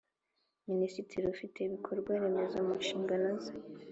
minisitiri ufite ibikorwaremezo mu nshingano ze